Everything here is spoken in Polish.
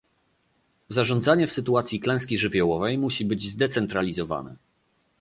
zarządzanie w sytuacji klęski żywiołowej musi być zdecentralizowane